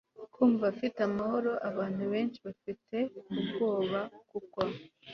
kumva afite amahoro abantu benshi bafite ubwoba kuko